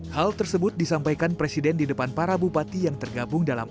hal tersebut disampaikan presiden di depan para bupati yang tergabung dalam